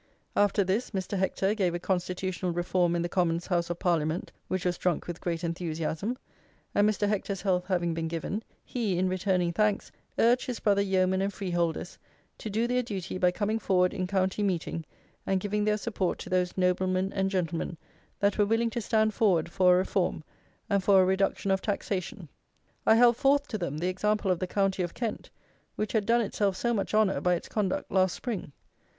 After this, Mr. Hector gave a Constitutional Reform in the Commons' House of Parliament, which was drunk with great enthusiasm; and Mr. Hector's health having been given, he, in returning thanks, urged his brother yeomen and freeholders to do their duty by coming forward in county meeting and giving their support to those noblemen and gentlemen that were willing to stand forward for a reform and for a reduction of taxation. I held forth to them the example of the county of Kent, which had done itself so much honour by its conduct last spring.